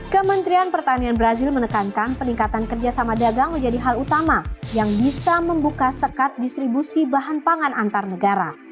kementerian pertanian brazil menekankan peningkatan kerjasama dagang menjadi hal utama yang bisa membuka sekat distribusi bahan pangan antar negara